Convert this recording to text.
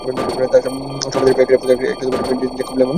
তার সমাধির পাথরে তার একটি চলচ্চিত্রের মত "জ্যাক লেমন ইন" লেখা রয়েছে।